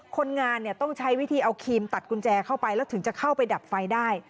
คนงานเนี่ยต้องใช้วิธีเอาครีมตัดกุญแจเข้าไปแล้วถึงจะเข้าไปดับไฟได้